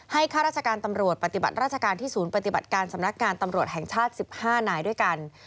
ข้าราชการตำรวจปฏิบัติราชการที่ศูนย์ปฏิบัติการสำนักงานตำรวจแห่งชาติ๑๕นายด้วยกัน